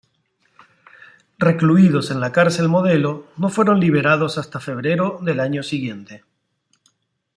Recluidos en la Cárcel Modelo, no fueron liberados hasta febrero del año siguiente.